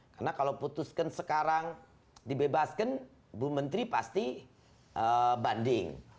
karena kalau putuskan sekarang dibebaskan bumetri pasti banding